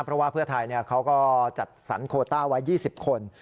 เพราะว่าเพื่อไทยเขาก็จัดสรรโคต้าไว้๒๐คน